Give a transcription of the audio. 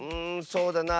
そうだな。